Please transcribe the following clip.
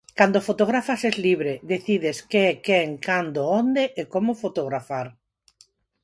Cando fotografas es libre, decides que, quen, cando, onde e como fotografar.